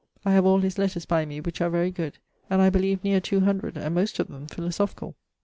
I have all his letters by me, which are very good, and I beleeve neer 200, and most of them philosophicall.